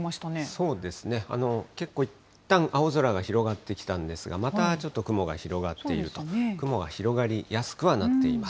そうですね、結構、いったん青空が広がってきたんですが、またちょっと雲が広がっていると、雲が広がりやすくはなっています。